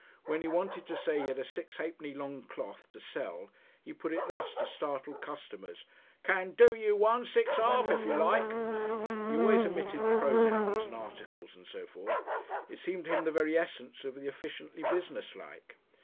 When he wanted to say he had a sixpenny ha'penny longcloth to sell, he put it thus to startled customers: "Can DO you one, six half if y' like." He always omitted pronouns and articles and so forth; it seemed to him the very essence of the efficiently businesslike.